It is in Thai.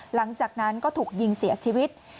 หลังจากนั้นก็ถูกยิงเสียชีวิต